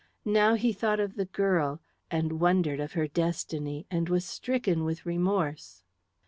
Now he thought of the girl, and wondered of her destiny, and was stricken with remorse.